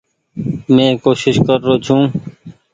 مين ڪوشش ڪر رو ڇون ۔